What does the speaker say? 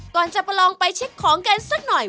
ก่อนจะประลองไปเช็คของกันสักหน่อย